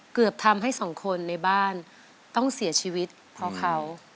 เกือบทำให้สองคนในบ้านต้องเสียชีวิตเพราะเขา